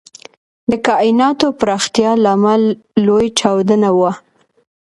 د کائناتو پراختیا لامل لوی چاودنه وه.